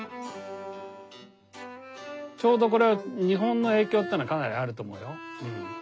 ちょうどこれ日本の影響ってのはかなりあると思うよ。